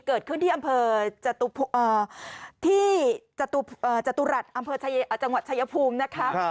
เกิดขึ้นที่อำเภอที่จตุรัสอำเภอจังหวัดชายภูมินะคะ